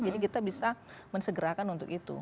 jadi kita bisa mensegerakan untuk itu